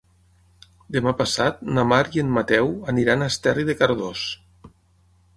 Demà passat na Mar i en Mateu aniran a Esterri de Cardós.